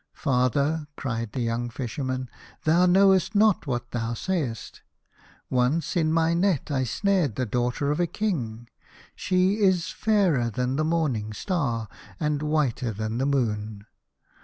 " Father," cried the young Fisherman, "thou knowest not what thou sayest. Once in my net I snared the daughter of a King. She is fairer than the morning star, and whiter than the moon.